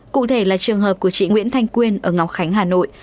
cụ thể là trường hợp của chị nguyễn thanh quyên ở ngọc khánh hà nội